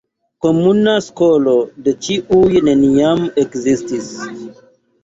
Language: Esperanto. Komuna skolo de ĉiuj neniam ekzistis.